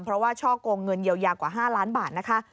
เพราะว่าช่อกงเงินเยียวยากว่า๕ล้านบาทนะคะ